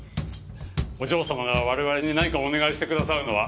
お嬢様が我々に何かをお願いしてくださるのは。